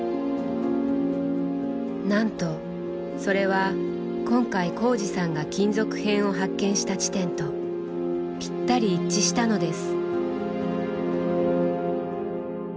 なんとそれは今回幸治さんが金属片を発見した地点とぴったり一致したのです。